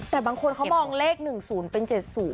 แต่บางคนเขามองเลข๑๐เป็น๗๐